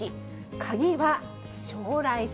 鍵は将来性。